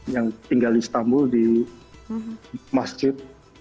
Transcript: yang tinggal di istanbul di masjid